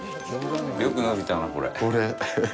よく伸びたなぁ、これ。